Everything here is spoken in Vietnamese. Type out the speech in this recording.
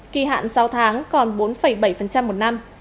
kỳ hạn sáu tháng còn bốn bảy một năm